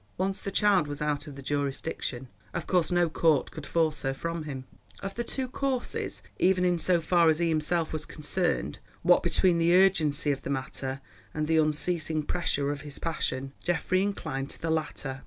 Once the child was out of the jurisdiction, of course no court could force her from him. Of the two courses, even in so far as he himself was concerned, what between the urgency of the matter and the unceasing pressure of his passion, Geoffrey inclined to the latter.